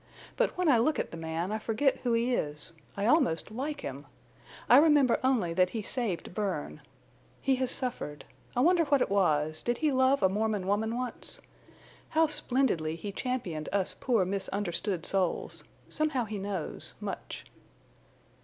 But when I look at the man I forget who he is—I almost like him. I remember only that he saved Bern. He has suffered. I wonder what it was—did he love a Mormon woman once? How splendidly he championed us poor misunderstood souls! Somehow he knows—much."